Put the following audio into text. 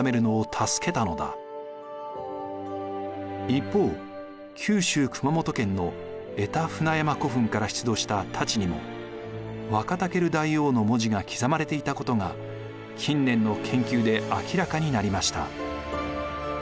一方九州熊本県の江田船山古墳から出土した太刀にも「ワカタケル大王」の文字が刻まれていたことが近年の研究で明らかになりました。